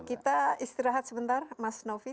kita istirahat sebentar mas novi